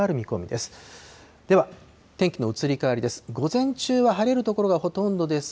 では、天気の移り変わりです。